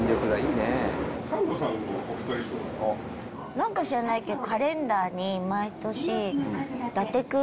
何か知らないけど。